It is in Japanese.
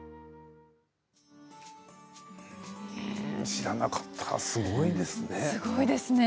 知らなかったすごいですね。